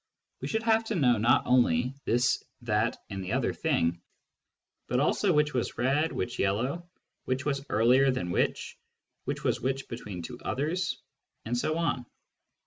We should have to know not only this, that, and the other thing, but also which was red, which yellow, which was earlier than which, which was between which two others, and so on.